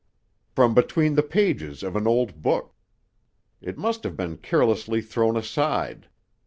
"From between the pages of an old book. It must have been carelessly thrown aside.